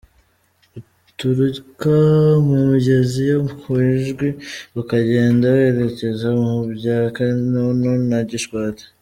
Uturuka mu migezi yo ku Ijwi ukagenda werekeza mu bya Kinunu na Gishwati .